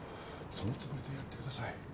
そのつもりでやって下さい。